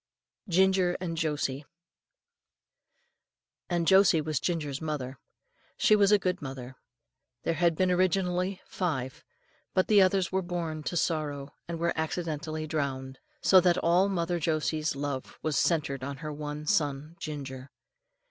GINGER AND JOSIE. And Josie was Ginger's mother. She was a good mother. There had been originally five, but the others were born to sorrow, and were accidentally drowned; so that all mother Josie's love was centred in her one son Ginger.